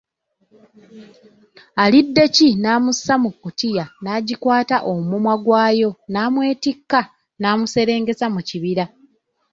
Aliddeki namussa mu kkutiya n’agikwata omumwa gwayo namwetikka namuserengesa mu kibira.